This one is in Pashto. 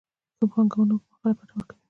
ښه پانګونه اوږدمهاله ګټه ورکوي.